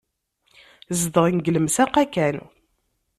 Zedɣen deg lemsaq-a kan.